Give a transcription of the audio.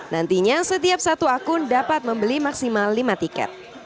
nantinya setiap satu akun dapat membeli maksimal lima tiket